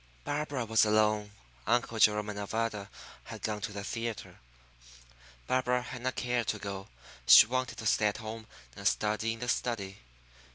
Barbara was alone. Uncle Jerome and Nevada had gone to the theatre. Barbara had not cared to go. She wanted to stay at home and study in the study.